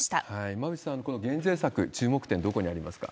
馬渕さん、この減税策、注目点どこにありますか？